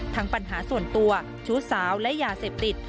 ปัญหาส่วนตัวชู้สาวและยาเสพติด